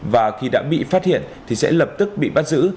và khi đã bị phát hiện thì sẽ lập tức bị bắt giữ